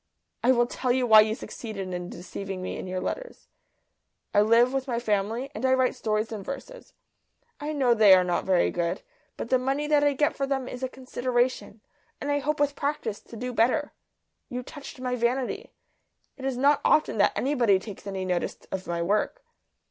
I will tell you why you succeeded in deceiving me in your letters. I live with my family, and I write stories and verses. I know they are not very good, but the money that I get for them is a consideration, and I hope with practice to do better. You touched my vanity, it is not often that anybody takes any notice of my work.